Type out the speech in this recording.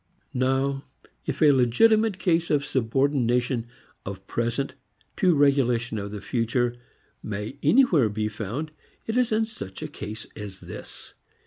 Now if a legitimate case of subordination of present to regulation of the future may anywhere be found, it is in such a case as this.